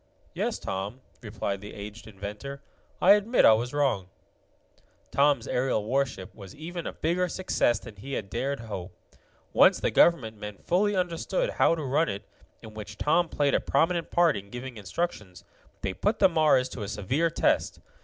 "Yes, Tom," replied the aged inventor, "I admit I was wrong." Tom's aerial warship was even a bigger success than he had dared to hope. Once the government men fully understood how to run it, in which Tom played a prominent part in giving instructions, they put the Mars to a severe test.